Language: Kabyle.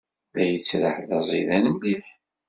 La yettraḥ d aẓidan mliḥ.